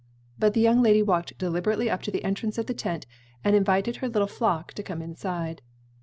But the young lady walked deliberately up to the entrance of the tent and invited her little flock to come inside.